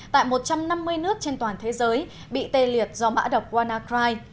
tại một trăm năm mươi nước trên toàn thế giới bị tê liệt do mã đọc wannacry